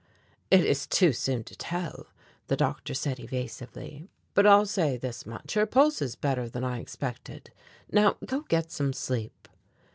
"It is too soon to tell," the doctor said evasively; "but I'll say this much, her pulse is better than I expected. Now, go get some sleep."